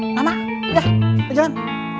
mama udah jalan